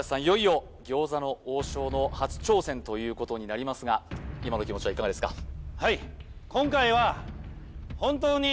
いよいよ餃子の王将の初挑戦ということになりますが今の気持ちはいかがですか？